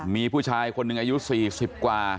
มีผู้ชายคนหนึ่งอายุ๔๐กว่า